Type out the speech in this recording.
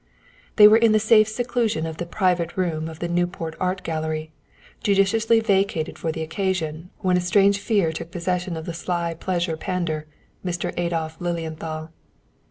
They were in the safe seclusion of the "Private Room" of the Newport Art Gallery, judiciously vacated for the occasion, when a strange fear took possession of the sly pleasure pander, Mr. Adolph Lilienthal.